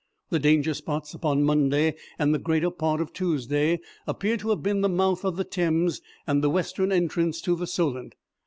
The danger spots upon Monday and the greater part of Tuesday appear to have been the mouth of the Thames and the western entrance to the Solent.